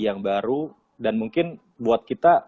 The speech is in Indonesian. yang baru dan mungkin buat kita